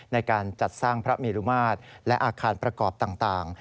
ในการจัดสร้างพระเมรุมาตรและอาคารประกอบต่าง